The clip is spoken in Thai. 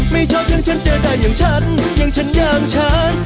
ไม่ชอบอย่างฉันเจอได้อย่างฉันอย่างฉันอย่างฉัน